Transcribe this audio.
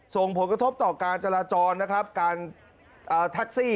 ส่งผลกระทบต่อการจราจรนะครับการแท็กซี่